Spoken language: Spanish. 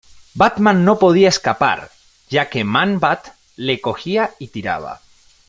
Batman no podía escapar ya que Man-Bat le cogía y tiraba.